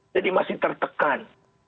jadi masih tertekan